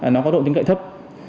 nó có độ tính cậy thấp